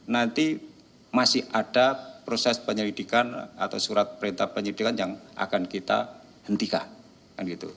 nanti masih ada proses penyelidikan atau surat perintah penyidikan yang akan kita hentikan